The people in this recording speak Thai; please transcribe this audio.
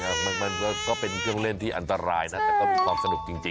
มันก็เป็นเครื่องเล่นที่อันตรายนะแต่ก็มีความสนุกจริง